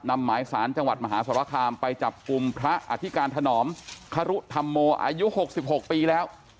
หมายสารจังหวัดมหาสรคามไปจับกลุ่มพระอธิการถนอมครุธรรมโมอายุ๖๖ปีแล้ว